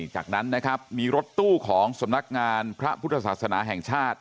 จากนั้นนะครับมีรถตู้ของสำนักงานพระพุทธศาสนาแห่งชาติ